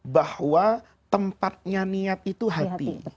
bahwa tempatnya niat itu hati